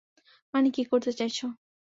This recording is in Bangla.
মানে, কি করতে চাইছো?